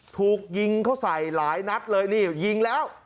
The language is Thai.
ถูกยิงเขาใส่หลายนัดเลยนี่ยิงแล้ว